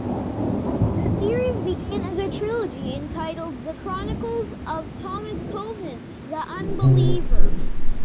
The series began as a trilogy, entitled "The Chronicles of Thomas Covenant, the Unbeliever".